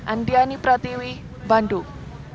andiani pratiwi bandung